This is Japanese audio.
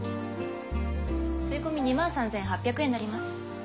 税込み２万３，８００円になります。